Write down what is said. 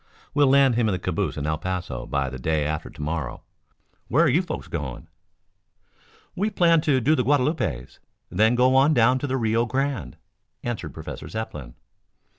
We'll land him in the calaboose in El Paso by the day after to morrow. Where are you folks going?" "We planned to do the Guadalupes, then go on down to the Rio Grande," answered Professor Zepplin.